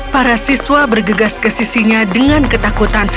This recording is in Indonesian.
para siswa bergegas ke sisinya dengan ketakutan